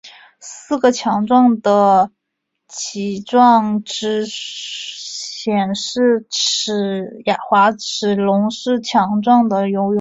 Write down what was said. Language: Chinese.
四个强壮的鳍状肢显示滑齿龙是强壮的游泳者。